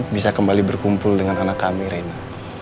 bisa kembali berkumpul dengan anak kami rena